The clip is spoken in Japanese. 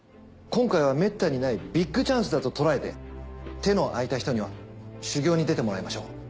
今回はめったにないビッグチャンスだととらえて手のあいた人には修業に出てもらいましょう。